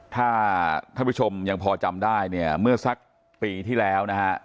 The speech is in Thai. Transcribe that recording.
ถ้าท่านผู้ชมยังพอจำได้เนี่ยเมื่อสักปีที่แล้วนะฮะ